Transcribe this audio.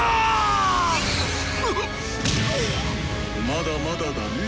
まだまだだね。